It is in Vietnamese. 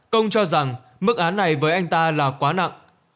công cho rằng mức án này với anh ta là quá nặng